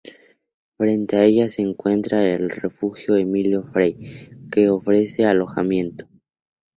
Frente a ella se encuentra el Refugio Emilio Frey, que ofrece alojamiento.